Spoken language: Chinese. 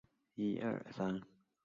但光绪七年又改变原判决。